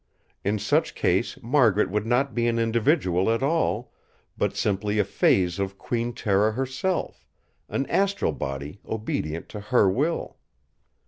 In such case Margaret would not be an individual at all, but simply a phase of Queen Tera herself; an astral body obedient to her will!